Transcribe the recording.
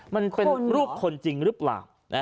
มันเป็นรูปคนจริงหรือเปล่า